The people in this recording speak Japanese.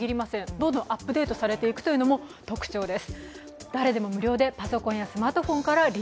どんどんアップデートされていくというのも特徴です。